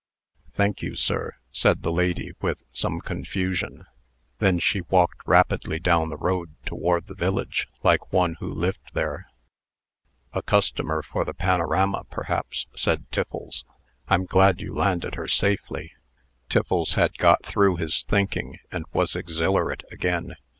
"Thank you, sir," said the lady, with some confusion. Then she walked rapidly down the road toward the village, like one who lived there. "A customer for the panorama, perhaps," said Tiffles. "I'm glad you landed her safely." Tiffles had got through his thinking, and was exhilarate again.